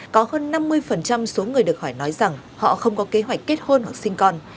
có hơn năm mươi số người được hỏi nói rằng họ không có kế hoạch kết hôn hoặc sinh con